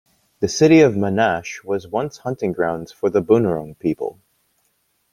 The City of Monash was once hunting grounds for the Bunurong people.